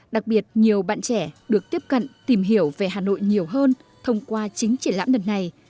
đặc biệt nhiều bạn trẻ được tiếp cận tìm hiểu về hà nội nhiều hơn thông qua chính triển lãm lần này